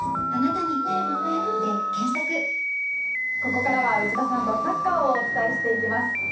ここからは内田さんとサッカーをお伝えします。